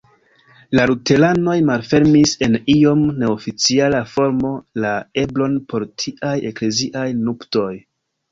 La luteranoj malfermis en iom neoficiala formo la eblon por tiaj ekleziaj nuptoj.